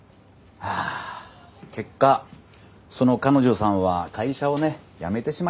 ああ結果その彼女さんは会社をね辞めてしまいました。